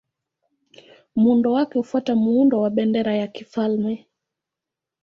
Muundo wake hufuata muundo wa bendera ya kifalme.